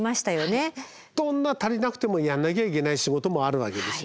どんな足りなくてもやんなきゃいけない仕事もあるわけですよ。